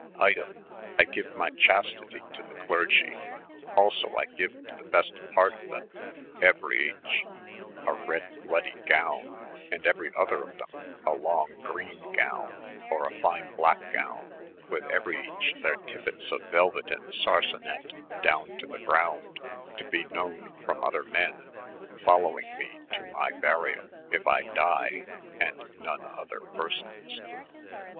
Item, I gene my Chaatitee to the Cleargy, Also, I » If A 4 gfiiG to the best parte of them, eneryche, "a red blooddy goimej and enery other of them, a longe greene goune, or a fyne blacke goune, with eueriche their tippettes of veluet Sn sarcenet, doune to the grounde, to be knowen from other men, followyng me to my bariall, if I dye, and none other persones.